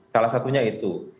salah satunya itu